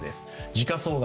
時価総額